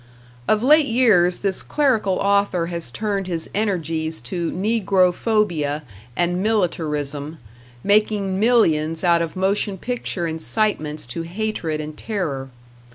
Of late years this clerical author has turned his energies to negrophobia and militarism, making millions out of motion picture incitements to hatred and terror.